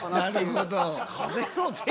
なるほど。